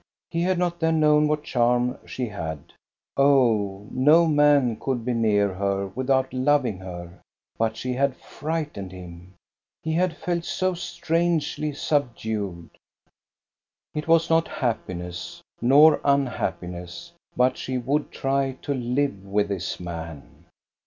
He had not then known what charm she had. Oh, no man could be near her without loving her, but she had frightened him ; he had felt so strangely subdued. It was not happiness, nor unhappiness, but she would try to live with this man.